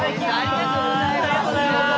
ありがとうございます。